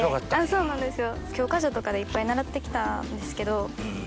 そうなんですよ。